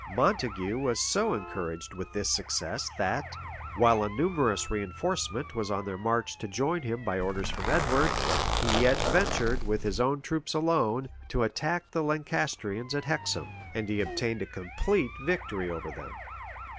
Montague was so encouraged with this success, that, while a numerous reënforcement was on their march to join him by orders from Edward, he yet ventured, with his own troops alone, to attack the Lancastrians at Hexham; and he obtained a complete victory over them.